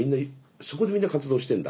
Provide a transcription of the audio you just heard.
そこでみんな活動してんだ。